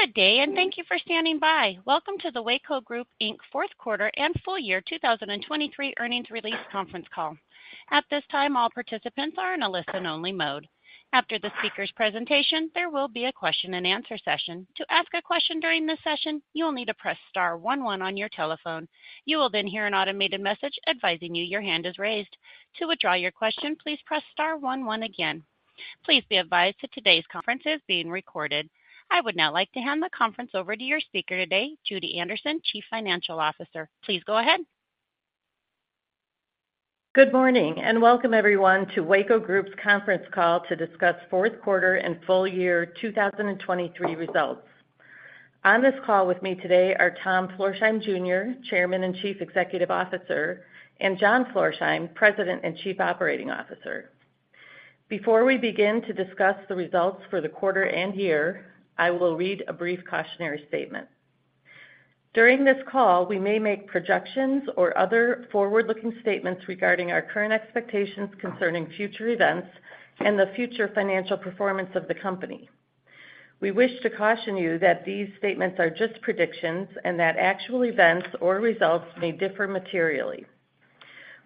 Good day, and thank you for standing by. Welcome to the Weyco Group, Inc. Fourth Quarter and Full Year 2023 Earnings Release Conference Call. At this time, all participants are in a listen-only mode. After the speaker's presentation, there will be a question-and-answer session. To ask a question during this session, you'll need to press star one one on your telephone. You will then hear an automated message advising you your hand is raised. To withdraw your question, please press star one one again. Please be advised that today's conference is being recorded. I would now like to hand the conference over to your speaker today, Judy Anderson, Chief Financial Officer. Please go ahead. Good morning, and welcome, everyone, to Weyco Group's Conference Call to Discuss Fourth Quarter and Full Year 2023 Results. On this call with me today are Tom Florsheim, Jr., Chairman and Chief Executive Officer, and John Florsheim, President and Chief Operating Officer. Before we begin to discuss the results for the quarter and year, I will read a brief cautionary statement. During this call, we may make projections or other forward-looking statements regarding our current expectations concerning future events and the future financial performance of the company. We wish to caution you that these statements are just predictions and that actual events or results may differ materially.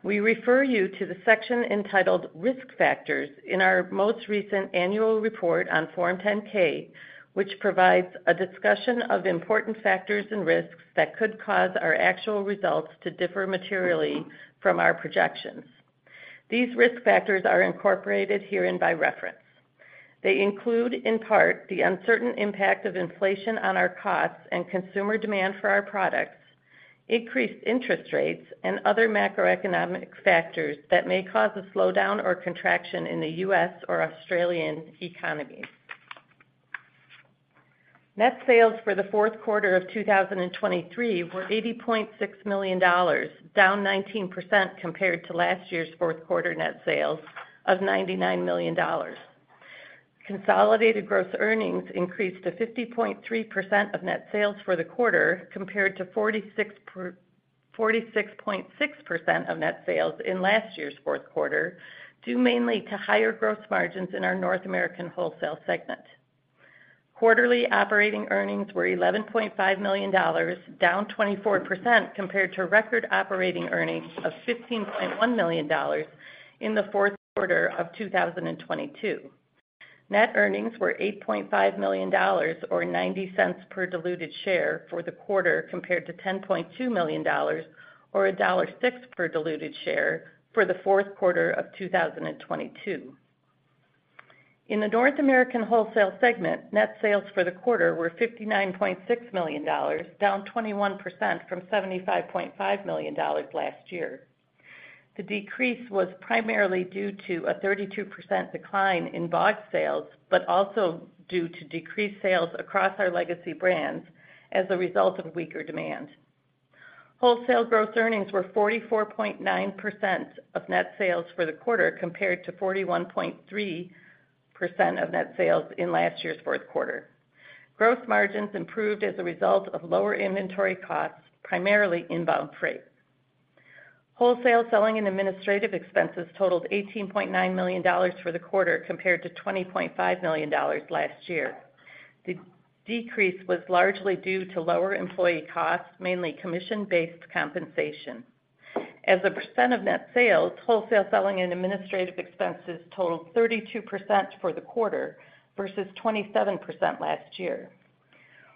We refer you to the section entitled Risk Factors in our most recent annual report on Form 10-K, which provides a discussion of important factors and risks that could cause our actual results to differ materially from our projections. These risk factors are incorporated herein by reference. They include, in part, the uncertain impact of inflation on our costs and consumer demand for our products, increased interest rates, and other macroeconomic factors that may cause a slowdown or contraction in the U.S. or Australian economies. Net sales for the fourth quarter of 2023 were $80.6 million, down 19% compared to last year's fourth quarter net sales of $99 million. Consolidated gross earnings increased to 50.3% of net sales for the quarter compared to 46.6% of net sales in last year's fourth quarter, due mainly to higher gross margins in our North American Wholesale segment. Quarterly operating earnings were $11.5 million, down 24% compared to record operating earnings of $15.1 million in the fourth quarter of 2022. Net earnings were $8.5 million or $0.90 per diluted share for the quarter compared to $10.2 million or $1.06 per diluted share for the fourth quarter of 2022. In the North American Wholesale segment, net sales for the quarter were $59.6 million, down 21% from $75.5 million last year. The decrease was primarily due to a 32% decline in Bogs sales, but also due to decreased sales across our legacy brands as a result of weaker demand. Wholesale gross earnings were 44.9% of net sales for the quarter compared to 41.3% of net sales in last year's fourth quarter. Gross margins improved as a result of lower inventory costs, primarily inbound freight. Wholesale selling and administrative expenses totaled $18.9 million for the quarter compared to $20.5 million last year. The decrease was largely due to lower employee costs, mainly commission-based compensation. As a % of net sales, wholesale selling and administrative expenses totaled 32% for the quarter vs 27% last year.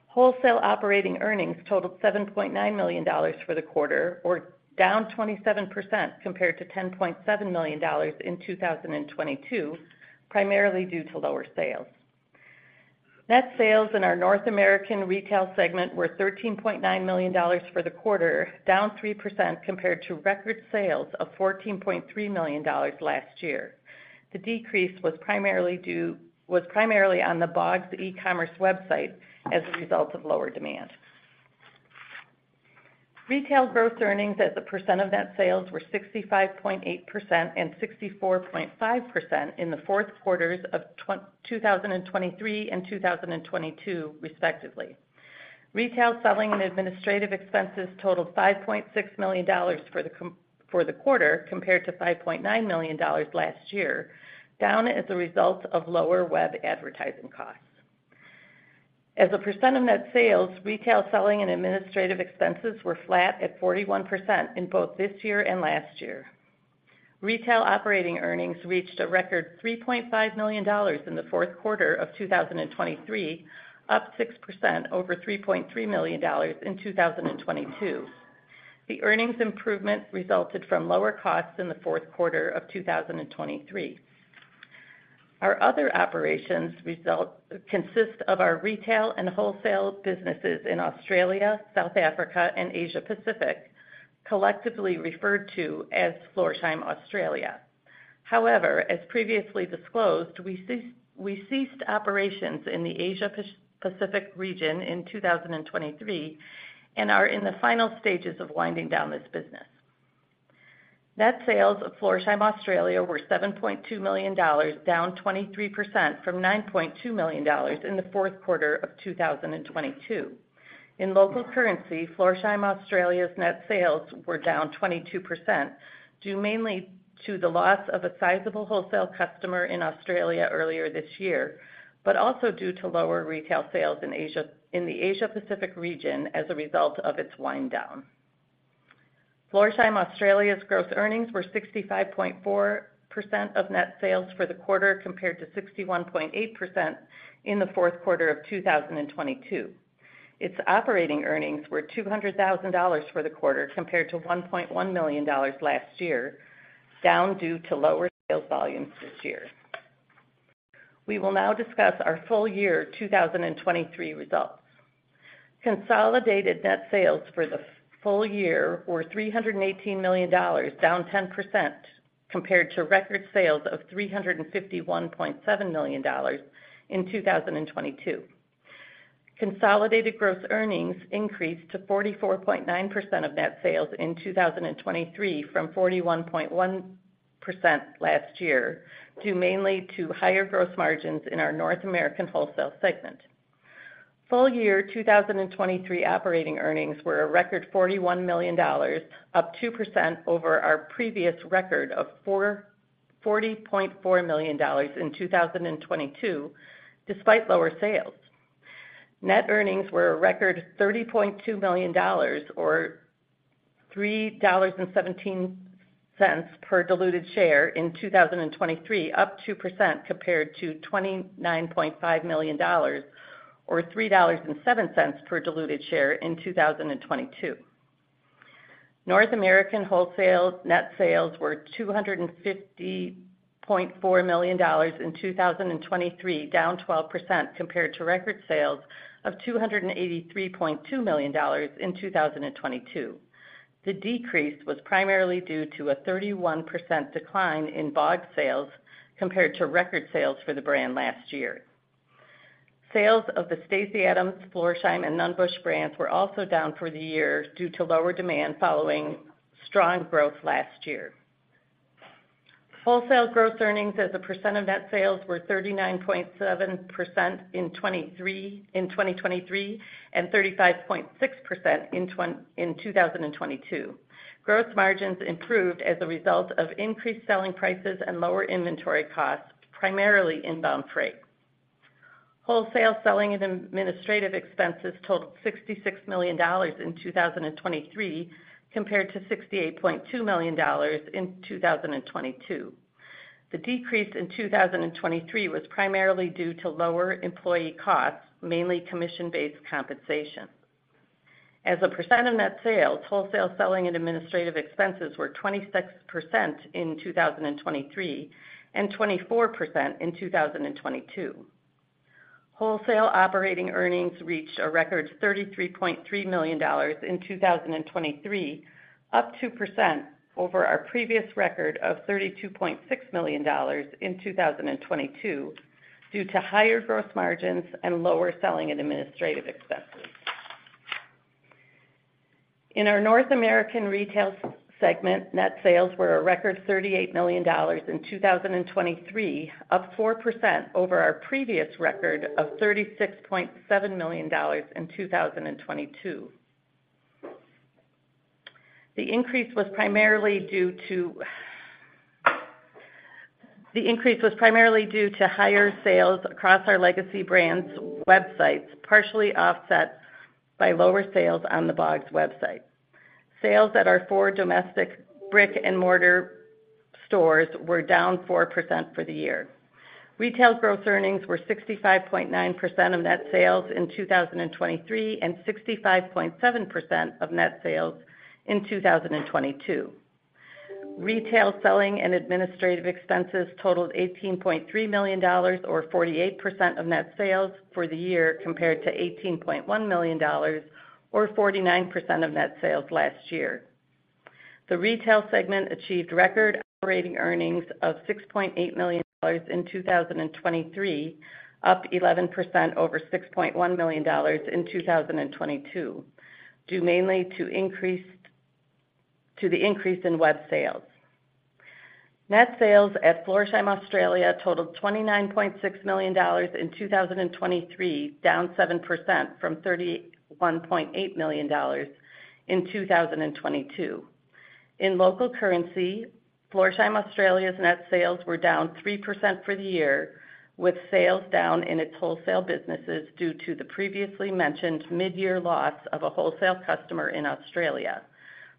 Wholesale operating earnings totaled $7.9 million for the quarter, or down 27% compared to $10.7 million in 2022, primarily due to lower sales. Net sales in our North American Retail segment were $13.9 million for the quarter, down 3% compared to record sales of $14.3 million last year. The decrease was primarily on the BOGS e-commerce website as a result of lower demand. Retail gross earnings as a % of net sales were 65.8% and 64.5% in the fourth quarters of 2023 and 2022, respectively. Retail selling and administrative expenses totaled $5.6 million for the quarter compared to $5.9 million last year, down as a result of lower web advertising costs. As a % of net sales, retail selling and administrative expenses were flat at 41% in both this year and last year. Retail operating earnings reached a record $3.5 million in the fourth quarter of 2023, up 6% over $3.3 million in 2022. The earnings improvement resulted from lower costs in the fourth quarter of 2023. Our other operations consist of our retail and wholesale businesses in Australia, South Africa, and Asia-Pacific, collectively referred to as Florsheim Australia. However, as previously disclosed, we ceased operations in the Asia-Pacific region in 2023 and are in the final stages of winding down this business. Net sales of Florsheim Australia were $7.2 million, down 23% from $9.2 million in the fourth quarter of 2022. In local currency, Florsheim Australia's net sales were down 22%, due mainly to the loss of a sizable wholesale customer in Australia earlier this year, but also due to lower retail sales in the Asia-Pacific region as a result of its winddown. Florsheim Australia's gross earnings were 65.4% of net sales for the quarter compared to 61.8% in the fourth quarter of 2022. Its operating earnings were $200,000 for the quarter compared to $1.1 million last year, down due to lower sales volumes this year. We will now discuss our full year 2023 results. Consolidated net sales for the full year were $318 million, down 10% compared to record sales of $351.7 million in 2022. Consolidated gross earnings increased to 44.9% of net sales in 2023 from 41.1% last year, due mainly to higher gross margins in our North American Wholesale segment. Full year 2023 operating earnings were a record $41 million, up 2% over our previous record of $40.4 million in 2022, despite lower sales. Net earnings were a record $30.2 million, or $3.17 per diluted share in 2023, up 2% compared to $29.5 million, or $3.07 per diluted share in 2022. North American wholesale net sales were $250.4 million in 2023, down 12% compared to record sales of $283.2 million in 2022. The decrease was primarily due to a 31% decline in Bogs sales compared to record sales for the brand last year. Sales of the Stacy Adams, Florsheim, and Nunn Bush brands were also down for the year due to lower demand following strong growth last year. Wholesale gross earnings as a % of net sales were 39.7% in 2023 and 35.6% in 2022. Gross margins improved as a result of increased selling prices and lower inventory costs, primarily inbound freight. Wholesale selling and administrative expenses totaled $66 million in 2023 compared to $68.2 million in 2022. The decrease in 2023 was primarily due to lower employee costs, mainly commission-based compensation. As a % of net sales, wholesale selling and administrative expenses were 26% in 2023 and 24% in 2022. Wholesale operating earnings reached a record $33.3 million in 2023, up 2% over our previous record of $32.6 million in 2022, due to higher gross margins and lower selling and administrative expenses. In our North American Retail segment, net sales were a record $38 million in 2023, up 4% over our previous record of $36.7 million in 2022. The increase was primarily due to higher sales across our legacy brands' websites, partially offset by lower sales on the BOGS website. Sales at our four domestic brick-and-mortar stores were down 4% for the year. Retail gross earnings were 65.9% of net sales in 2023 and 65.7% of net sales in 2022. Retail selling and administrative expenses totaled $18.3 million, or 48% of net sales for the year compared to $18.1 million, or 49% of net sales last year. The retail segment achieved record operating earnings of $6.8 million in 2023, up 11% over $6.1 million in 2022, due mainly to the increase in web sales. Net sales at Florsheim Australia totaled $29.6 million in 2023, down 7% from $31.8 million in 2022. In local currency, Florsheim Australia's net sales were down 3% for the year, with sales down in its wholesale businesses due to the previously mentioned midyear loss of a wholesale customer in Australia,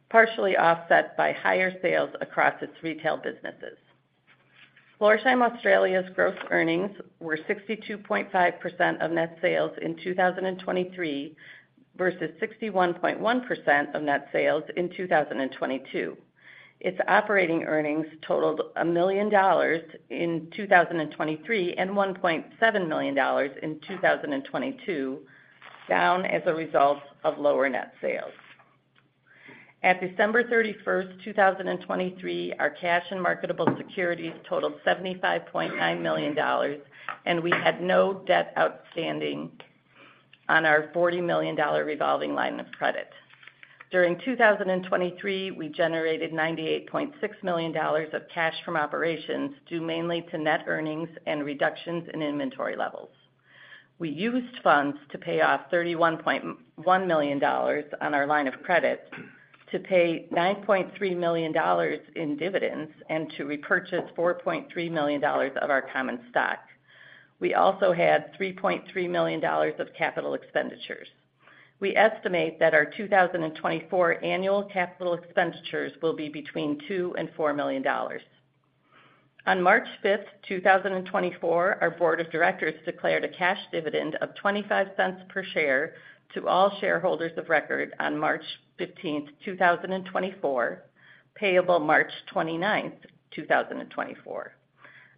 partially offset by higher sales across its retail businesses. Florsheim Australia's gross earnings were 62.5% of net sales in 2023 vs 61.1% of net sales in 2022. Its operating earnings totaled $1 million in 2023 and $1.7 million in 2022, down as a result of lower net sales. At December 31st, 2023, our cash and marketable securities totaled $75.9 million, and we had no debt outstanding on our $40 million revolving line of credit. During 2023, we generated $98.6 million of cash from operations, due mainly to net earnings and reductions in inventory levels. We used funds to pay off $31.1 million on our line of credit to pay $9.3 million in dividends and to repurchase $4.3 million of our common stock. We also had $3.3 million of capital expenditures. We estimate that our 2024 annual capital expenditures will be between $2 and $4 million. On March 5th, 2024, our board of directors declared a cash dividend of $0.25 per share to all shareholders of record on March 15th, 2024, payable March 29th, 2024.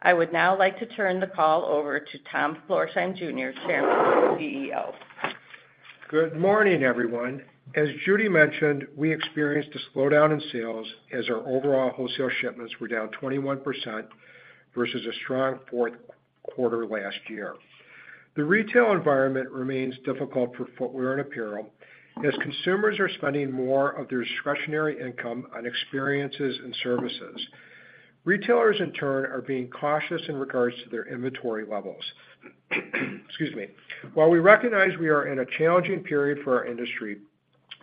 I would now like to turn the call over to Tom Florsheim, Jr., Chairman and CEO. Good morning, everyone. As Judy mentioned, we experienced a slowdown in sales as our overall wholesale shipments were down 21% vs a strong fourth quarter last year. The retail environment remains difficult for footwear and apparel as consumers are spending more of their discretionary income on experiences and services. Retailers, in turn, are being cautious in regards to their inventory levels. Excuse me. While we recognize we are in a challenging period for our industry,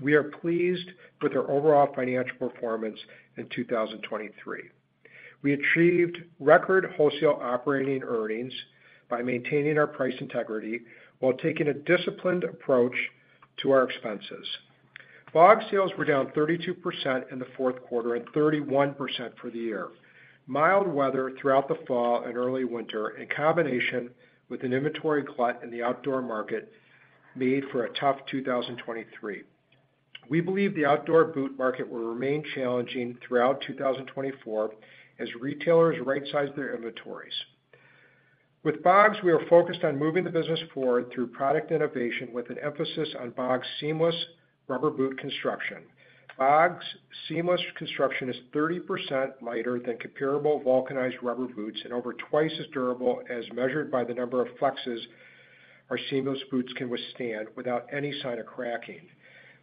we are pleased with our overall financial performance in 2023. We achieved record wholesale operating earnings by maintaining our price integrity while taking a disciplined approach to our expenses. BOGS sales were down 32% in the fourth quarter and 31% for the year. Mild weather throughout the fall and early winter, in combination with an inventory glut in the outdoor market, made for a tough 2023. We believe the outdoor boot market will remain challenging throughout 2024 as retailers right-size their inventories. With BOGS, we are focused on moving the business forward through product innovation with an emphasis on BOGS seamless rubber boot construction. BOGS seamless construction is 30% lighter than comparable vulcanized rubber boots and over twice as durable as measured by the number of flexes our seamless boots can withstand without any sign of cracking.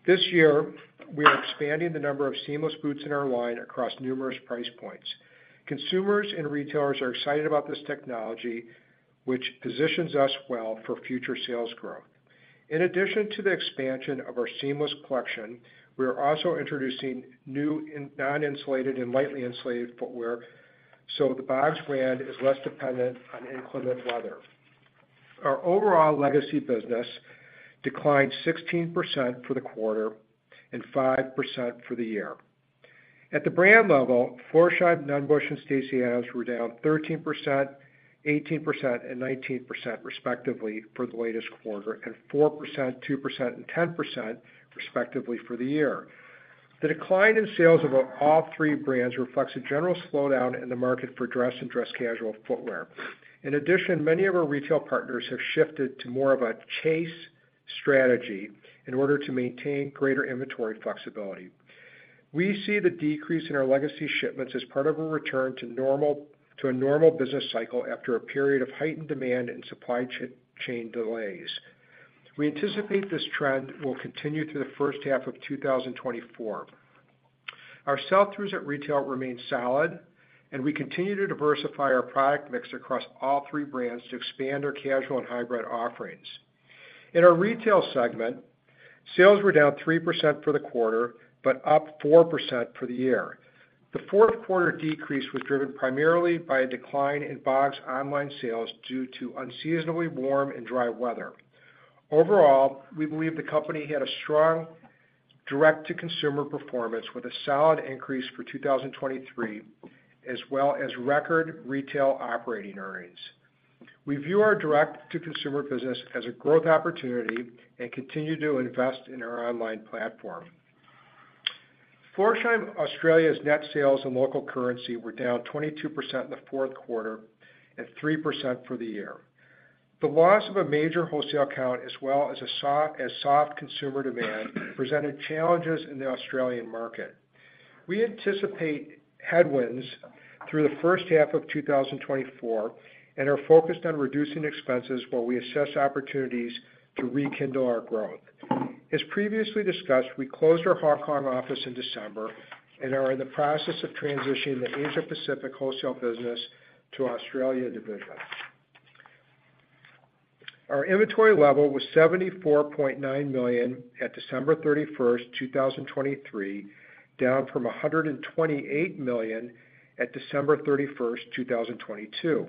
This year, we are expanding the number of seamless boots in our line across numerous price points. Consumers and retailers are excited about this technology, which positions us well for future sales growth. In addition to the expansion of our seamless collection, we are also introducing new non-insulated and lightly insulated footwear so the BOGS brand is less dependent on inclement weather. Our overall legacy business declined 16% for the quarter and 5% for the year. At the brand level, Florsheim, Nunn Bush, and Stacy Adams were down 13%, 18%, and 19%, respectively, for the latest quarter and 4%, 2%, and 10%, respectively, for the year. The decline in sales of all three brands reflects a general slowdown in the market for dress and dress-casual footwear. In addition, many of our retail partners have shifted to more of a chase strategy in order to maintain greater inventory flexibility. We see the decrease in our legacy shipments as part of a return to a normal business cycle after a period of heightened demand and supply chain delays. We anticipate this trend will continue through the first half of 2024. Our sell-throughs at retail remain solid, and we continue to diversify our product mix across all three brands to expand our casual and hybrid offerings. In our retail segment, sales were down 3% for the quarter but up 4% for the year. The fourth quarter decrease was driven primarily by a decline in BOGS online sales due to unseasonably warm and dry weather. Overall, we believe the company had a strong direct-to-consumer performance with a solid increase for 2023 as well as record retail operating earnings. We view our direct-to-consumer business as a growth opportunity and continue to invest in our online platform. Florsheim Australia's net sales in local currency were down 22% in the fourth quarter and 3% for the year. The loss of a major wholesale account as well as soft consumer demand presented challenges in the Australian market. We anticipate headwinds through the first half of 2024 and are focused on reducing expenses while we assess opportunities to rekindle our growth. As previously discussed, we closed our Hong Kong office in December and are in the process of transitioning the Asia-Pacific wholesale business to Australian division. Our inventory level was $74.9 million at December 31st, 2023, down from $128 million at December 31st, 2022.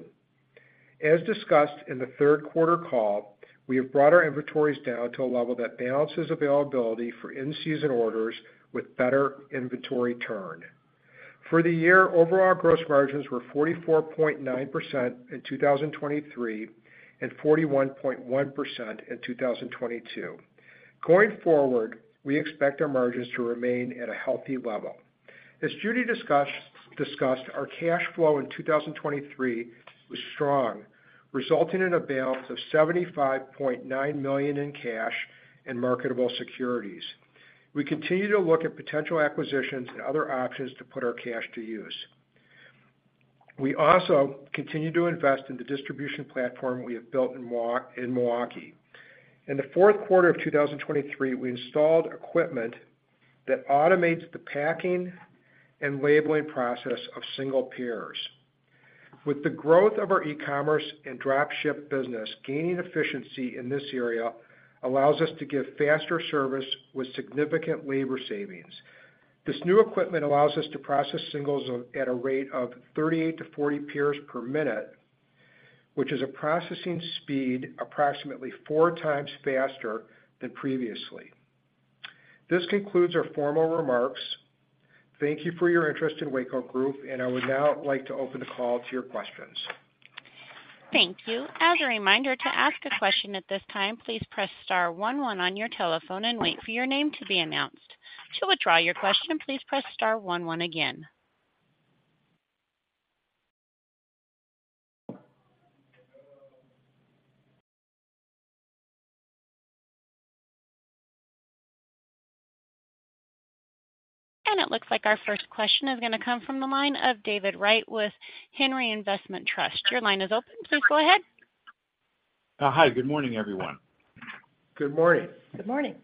As discussed in the third quarter call, we have brought our inventories down to a level that balances availability for in-season orders with better inventory turn. For the year, overall gross margins were 44.9% in 2023 and 41.1% in 2022. Going forward, we expect our margins to remain at a healthy level. As Judy discussed, our cash flow in 2023 was strong, resulting in a balance of $75.9 million in cash and marketable securities. We continue to look at potential acquisitions and other options to put our cash to use. We also continue to invest in the distribution platform we have built in Milwaukee. In the fourth quarter of 2023, we installed equipment that automates the packing and labeling process of single pairs. With the growth of our e-commerce and dropship business, gaining efficiency in this area allows us to give faster service with significant labor savings. This new equipment allows us to process singles at a rate of 38-40 pairs per minute, which is a processing speed approximately four times faster than previously. This concludes our formal remarks. Thank you for your interest in Weyco Group, and I would now like to open the call to your questions. Thank you. As a reminder, to ask a question at this time, please press star one one on your telephone and wait for your name to be announced. To withdraw your question, please press star one one again. It looks like our first question is going to come from the line of David Wright with Henry Investment Trust. Your line is open. Please go ahead. Hi. Good morning, everyone. Good morning. Good morning.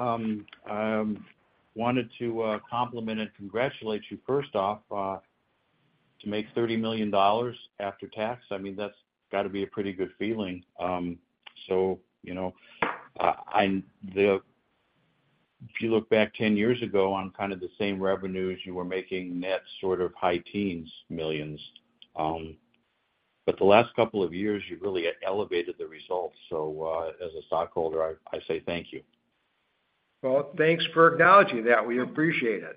I wanted to compliment and congratulate you, first off, to make $30 million after tax. I mean, that's got to be a pretty good feeling. So if you look back 10 years ago, on kind of the same revenues, you were making net sort of high 10s millions. But the last couple of years, you've really elevated the results. So as a stockholder, I say thank you. Well, thanks for acknowledging that. We appreciate it.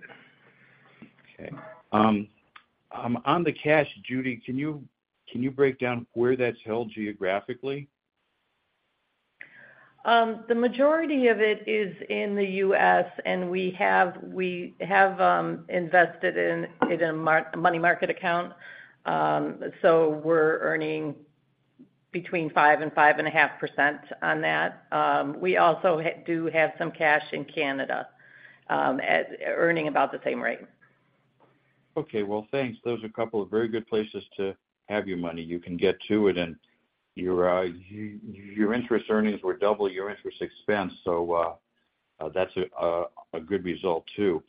Okay. On the cash, Judy, can you break down where that's held geographically? The majority of it is in the U.S., and we have invested it in a money market account. So we're earning between 5% and 5.5% on that. We also do have some cash in Canada, earning about the same rate. Okay. Well, thanks. Those are a couple of very good places to have your money. You can get to it, and your interest earnings were double your interest expense. So that's a good result too.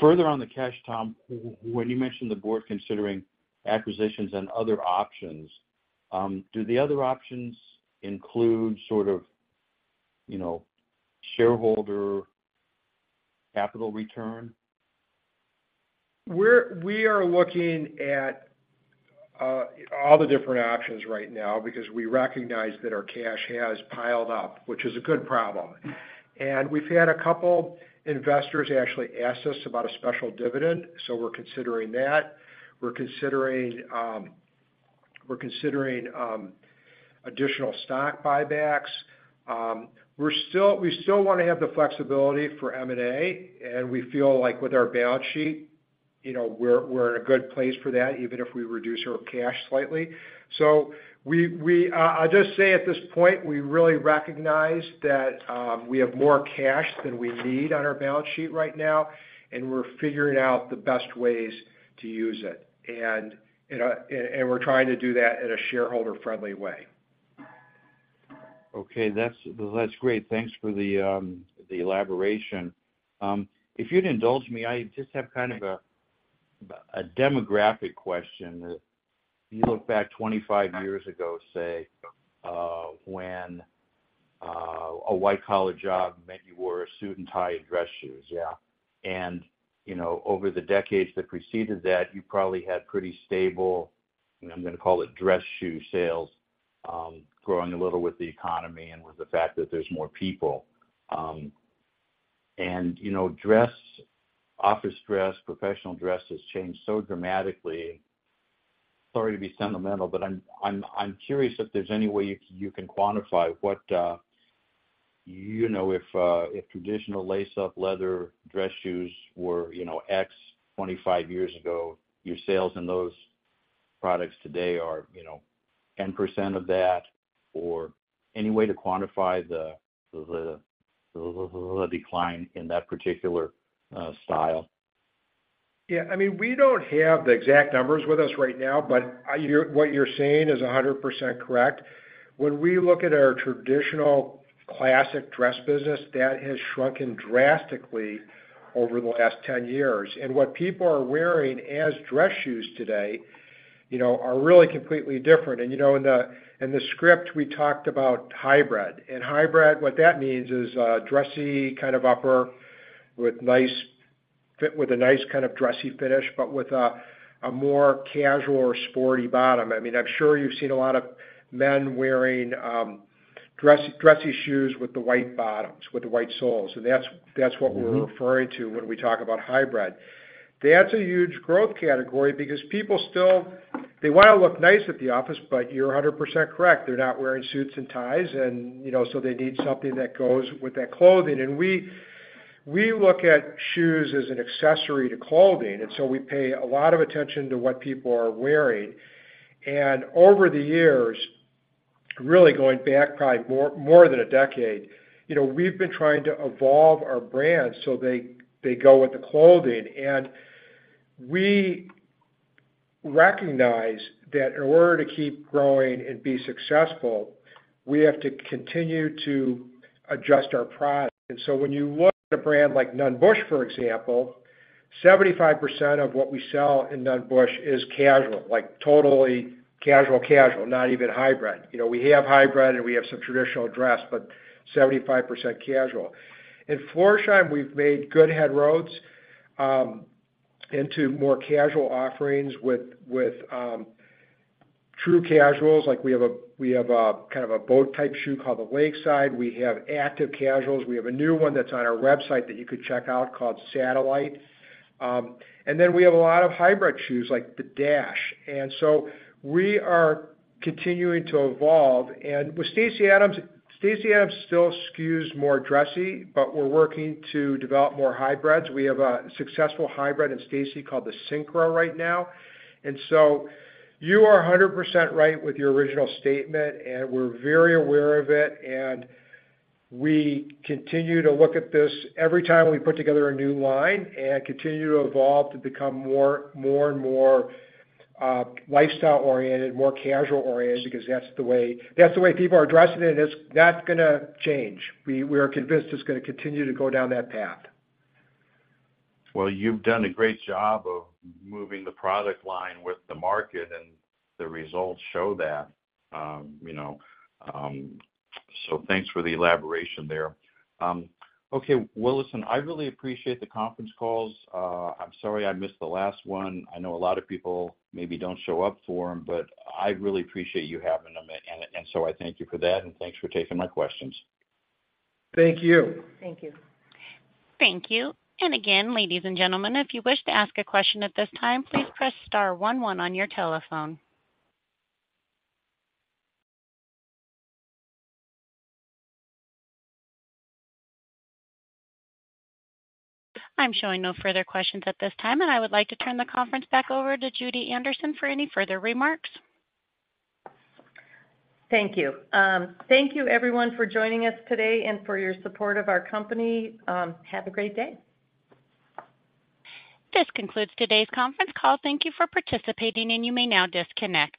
Further on the cash, Tom, when you mentioned the board considering acquisitions and other options, do the other options include sort of shareholder capital return? We are looking at all the different options right now because we recognize that our cash has piled up, which is a good problem. And we've had a couple of investors actually ask us about a special dividend, so we're considering that. We're considering additional stock buybacks. We still want to have the flexibility for M&A, and we feel like with our balance sheet, we're in a good place for that, even if we reduce our cash slightly. So I'll just say at this point, we really recognize that we have more cash than we need on our balance sheet right now, and we're figuring out the best ways to use it. And we're trying to do that in a shareholder-friendly way. Okay. That's great. Thanks for the elaboration. If you'd indulge me, I just have kind of a demographic question. If you look back 25 years ago, say, when a white-collar job meant you wore a suit and tie and dress shoes, yeah, and over the decades that preceded that, you probably had pretty stable - I'm going to call it dress shoe sales - growing a little with the economy and with the fact that there's more people. And office dress, professional dress has changed so dramatically. Sorry to be sentimental, but I'm curious if there's any way you can quantify if traditional lace-up leather dress shoes were X 25 years ago, your sales in those products today are 10% of that or any way to quantify the decline in that particular style? Yeah. I mean, we don't have the exact numbers with us right now, but what you're saying is 100% correct. When we look at our traditional classic dress business, that has shrunken drastically over the last 10 years. What people are wearing as dress shoes today are really completely different. In the script, we talked about hybrid. Hybrid, what that means is a dressy kind of upper with a nice kind of dressy finish but with a more casual or sporty bottom. I mean, I'm sure you've seen a lot of men wearing dressy shoes with the white bottoms, with the white soles. That's what we're referring to when we talk about hybrid. That's a huge growth category because people still they want to look nice at the office, but you're 100% correct. They're not wearing suits and ties, and so they need something that goes with that clothing. We look at shoes as an accessory to clothing, and so we pay a lot of attention to what people are wearing. Over the years, really going back probably more than a decade, we've been trying to evolve our brand so they go with the clothing. We recognize that in order to keep growing and be successful, we have to continue to adjust our product. So when you look at a brand like Nunn Bush, for example, 75% of what we sell in Nunn Bush is casual, totally casual, casual, not even hybrid. We have hybrid, and we have some traditional dress, but 75% casual. In Florsheim, we've made good inroads into more casual offerings with true casuals. We have kind of a boat-type shoe called the Lakeside. We have active casuals. We have a new one that's on our website that you could check out called Satellite. And then we have a lot of hybrid shoes like the Dash. And so we are continuing to evolve. And with Stacy Adams, Stacy Adams still skews more dressy, but we're working to develop more hybrids. We have a successful hybrid in Stacy called the Synchro right now. And so you are 100% right with your original statement, and we're very aware of it. And we continue to look at this every time we put together a new line and continue to evolve to become more and more lifestyle-oriented, more casual-oriented because that's the way people are addressing it, and it's not going to change. We are convinced it's going to continue to go down that path. Well, you've done a great job of moving the product line with the market, and the results show that. So thanks for the elaboration there. Okay. Well, listen, I really appreciate the conference calls. I'm sorry I missed the last one. I know a lot of people maybe don't show up for them, but I really appreciate you having them, and so I thank you for that. And thanks for taking my questions. Thank you. Thank you. Thank you. And again, ladies and gentlemen, if you wish to ask a question at this time, please press star one one on your telephone. I'm showing no further questions at this time, and I would like to turn the conference back over to Judy Anderson for any further remarks. Thank you. Thank you, everyone, for joining us today and for your support of our company. Have a great day. This concludes today's conference call. Thank you for participating, and you may now disconnect.